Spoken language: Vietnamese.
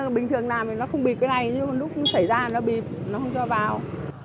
lúc bình thường làm thì nó không bịp cái này nhưng mà lúc xảy ra nó bịp nó không cho vào